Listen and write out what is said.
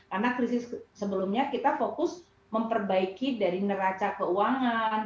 karena krisis sebelumnya kita fokus memperbaiki dari neraca keuangan